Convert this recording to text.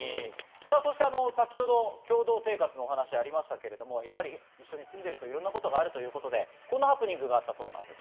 そして先ほど共同生活の話ありましたけれども、一緒に住んでいると、いろんなことがあるということでこんなハプニングがあったそうです。